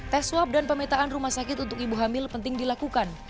tes swab dan pemetaan rumah sakit untuk ibu hamil penting dilakukan